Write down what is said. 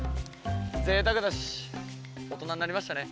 贅沢だし大人になりましたね。